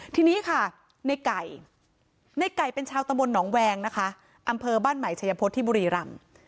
ทีนี้ค่ะในไก่ในไก่เป็นชาวตำบลหนองแวงนะคะอำเภอบ้านใหม่ชัยพฤษที่บุรีรำ